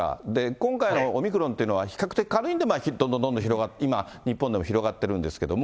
今回のオミクロンというのは、比較的軽いんでどんどんどんどん、今、日本でも広がってるんですけども。